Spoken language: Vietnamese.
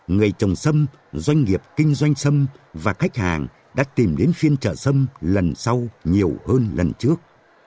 người trồng sâm doanh nghiệp kinh doanh sâm và khách hàng đã tìm đến phiên trở sâm lần sau nhiều hơn lần trước